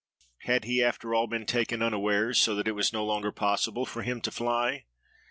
Had he, after all, been taken unawares, so that it was no longer possible for him to fly?